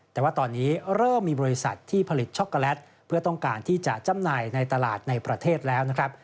แต่ว่าตอนนี้เริ่มมีบริษัทที่ผลิตช็อกโกแลตเพื่อต้องการที่จะจำหน่ายในตลาดในประเทศแล้วนะครับ